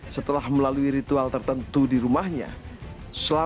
setelah melalui ritual tertentu di rumahnya